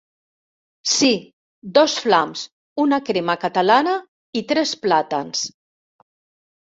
Sí, dos flams, una crema catalana i tres plàtans.